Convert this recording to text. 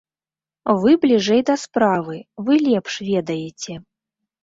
Вы бліжэй да справы, вы лепш ведаеце.